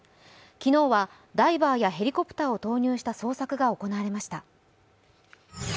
昨日はダイバーやヘリコプターを導入した捜索が行われました。